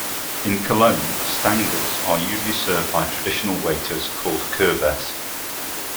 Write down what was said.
In Cologne Stanges are usually served by traditional waiters called "Köbes".